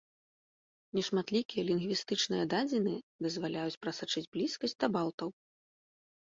Нешматлікія лінгвістычныя дадзеныя дазваляюць прасачыць блізкасць да балтаў.